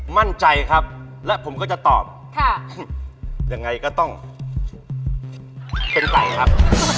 มั่นใจครับและผมก็จะตอบยังไงก็ต้องเป็นไก่ครับ